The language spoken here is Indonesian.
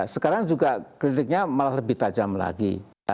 sekarang juga kritiknya malah lebih tajam lagi